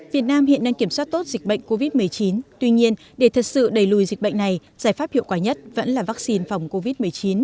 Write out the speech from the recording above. việt nam hiện đang kiểm soát tốt dịch bệnh covid một mươi chín tuy nhiên để thật sự đẩy lùi dịch bệnh này giải pháp hiệu quả nhất vẫn là vaccine phòng covid một mươi chín